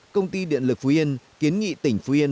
công ty điện lực phú yên kiến nghị tỉnh phú yên